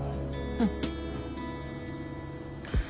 うん？